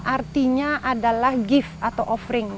artinya adalah gift atau offering